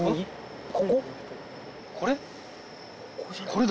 これ？